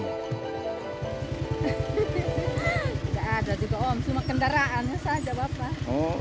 tidak ada juga om cuma kendaraannya saja bapak